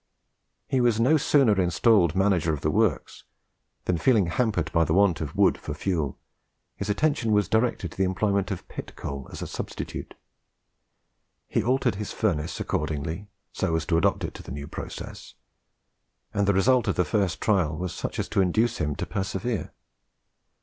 He was no sooner installed manager of the works, than, feeling hampered by the want of wood for fuel, his attention was directed to the employment of pit coal as a substitute. He altered his furnace accordingly, so as to adapt it to the new process, and the result of the first trial was such as to induce him to persevere.